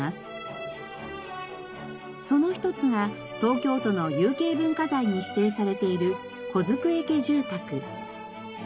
その一つが東京都の有形文化財に指定されている小机家住宅。